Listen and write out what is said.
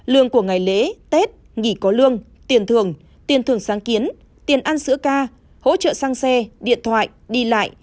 lương của ngày lễ tết nghỉ có lương tiền thường tiền thường sáng kiến tiền ăn sữa ca hỗ trợ sang xe điện thoại đi lại